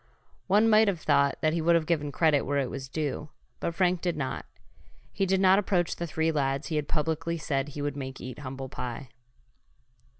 One might have thought that he would have given credit where it was due, but Frank did not. He did not approach the three lads he had publicly said he would make eat humble pie.